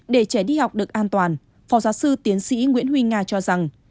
để trẻ đi học được an toàn phó giáo sư tiến sĩ nguyễn huy nga cho rằng